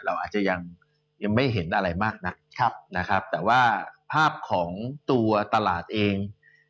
เราอาจจะยังยังไม่เห็นอะไรมากนักนะครับแต่ว่าภาพของตัวตลาดเอง